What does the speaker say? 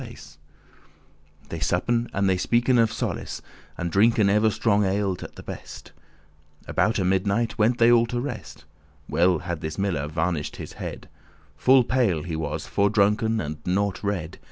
*roomier lodging* They suppen, and they speaken of solace, And drinken ever strong ale at the best. Aboute midnight went they all to rest. Well had this miller varnished his head; Full pale he was, fordrunken, and *nought red*.